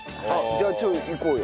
じゃあちょっといこうよ。